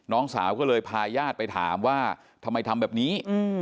น้องสาวก็เลยพาญาติไปถามว่าทำไมทำแบบนี้